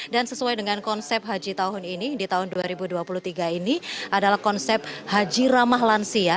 dan sesuai dengan konsep haji tahun ini di tahun dua ribu dua puluh tiga ini adalah konsep haji ramah lansia